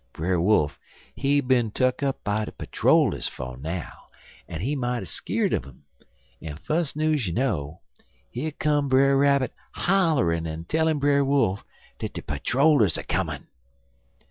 Brer Wolf, he bin tuck up by de patter rollers 'fo' now, en he mighty skeer'd un um, en fus news you know, yer come Brer Rabbit hollerin' en tellin' Brer Wolf dat de patter rollers comin'.